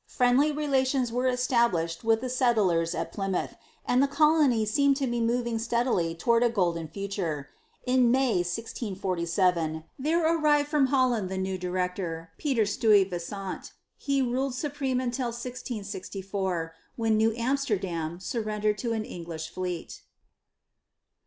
Friendly relations were established with the settlers at Plymouth, and the colony seemed to be moving steadily toward a golden future. In May, 1647, there arrived from Holland the new director, Peter Stuyvesant. He ruled supreme until 1664, when New Amsterdam surrendered to an English fleet.